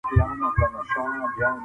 کمپيوټر د ورزش سره مرسته کوي.